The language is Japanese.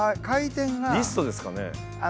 リストですかね？